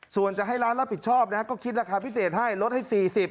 ส่วนจะให้ร้านรับผิดชอบนะก็คิดราคาพิเศษให้ลดให้๔๐